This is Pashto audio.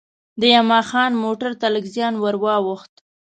د یما خان موټر ته لږ زیان وا ووښت.